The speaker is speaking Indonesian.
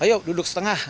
ayo duduk setengah